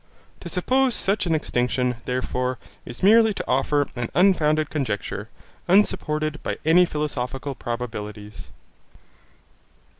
To suppose such an extinction, therefore, is merely to offer an unfounded conjecture, unsupported by any philosophical probabilities.